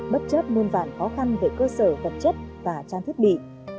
bất chấp môn vàn khó khăn về cơ sở vật chất và trang thiết bị